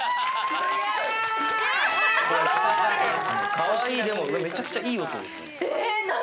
かわいい、これめちゃくちゃいい音ですよ。